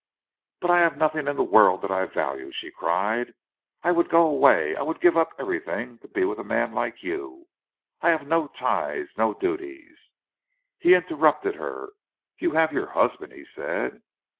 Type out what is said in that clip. "But I have nothing in the world that I value!" she cried. "I would go away—I would give up everything, to be with a man like you. I have no ties—no duties—" He interrupted her. "You have your husband—" he said.